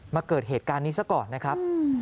เกิดเหตุการณ์นี้ซะก่อนนะครับ